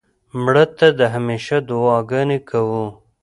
مړه ته د همېشه دعا ګانې کوو